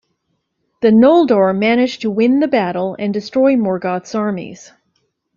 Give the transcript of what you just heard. The Noldor managed to win the battle, and destroy Morgoth's armies.